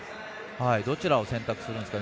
どちらを選択するんですかね。